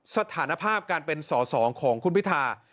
สถานภาพการเป็นสอสอของคุณพิธา